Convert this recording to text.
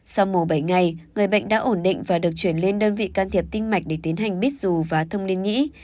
sau mổ bảy ngày người bệnh đã ổn định và được chuyển lên đơn vị can thiệp tinh mạch để tiến hành bít rù và thông liên nhĩ